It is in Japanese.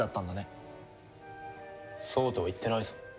そうとは言ってないぞ。